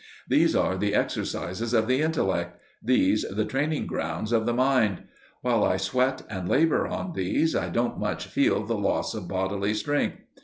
These are the exercises of the intellect, these the training grounds of the mind: while I sweat and labour on these I don't much feel the loss of bodily strength.